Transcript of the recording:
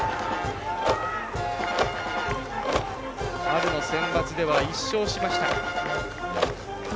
春のセンバツでは１勝しました。